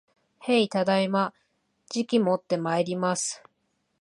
へい、ただいま。じきもってまいります